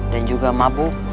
dan juga mabuk